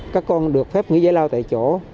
các con được phép nghỉ giải lao tại chỗ